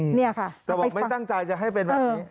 อืมแต่บอกไม่ตั้งใจจะให้เป็นอย่างนี้